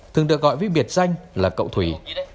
thường được gọi với biệt danh là cậu thủy